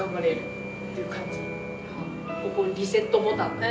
ここリセットボタンだった？